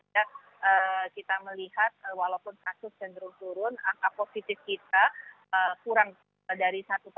jadi kita melihat walaupun kasus cenderung menurun angka positif kita kurang dari satu